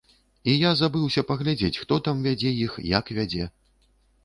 Я і забыўся паглядзець, хто там вядзе іх, як вядзе.